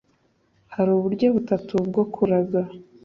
hari uburyo butatu bwo kuraga